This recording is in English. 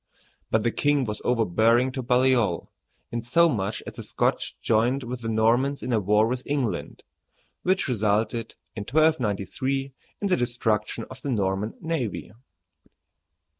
But the king was overbearing to Baliol, insomuch that the Scotch joined with the Normans in war with England, which resulted, in 1293, in the destruction of the Norman navy.